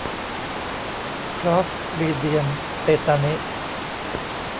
คลอสตริเดียมเตตานิ